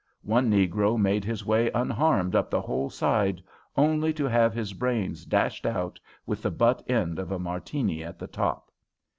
One negro made his way unharmed up the whole side, only to have his brains dashed out with the butt end of a Martini at the top.